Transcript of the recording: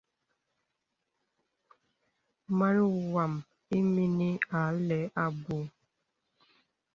Màn wām ìmìnī a lɛ abù.